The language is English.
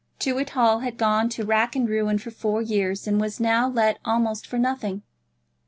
Tewett Hall had gone to rack and ruin for four years, and was now let almost for nothing.